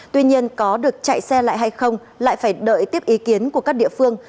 tuy nhiên có được chạy xe lại hay không lại phải đợi tiếp ý kiến của các địa phương